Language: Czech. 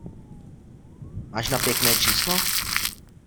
Máš na pěkné číslo?